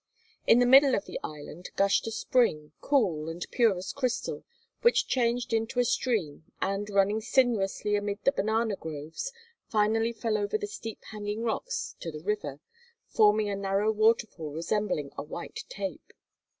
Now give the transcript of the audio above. In the middle of the "island" gushed a spring, cool and pure as crystal, which changed into a stream and, running sinuously amid the banana groves, finally fell over the steep hanging rocks to the river, forming a narrow waterfall resembling a white tape.